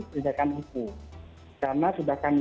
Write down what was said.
perjadikan hukum karena sudah kami